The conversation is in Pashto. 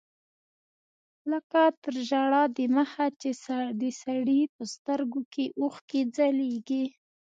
لکه تر ژړا د مخه چې د سړي په سترګو کښې اوښکې ځلېږي.